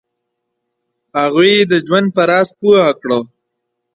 هغوی یې د ژوند په راز پوه کړه.